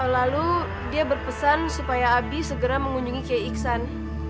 lalu dia berpesan supaya abi segera mengunjungi kiai iksan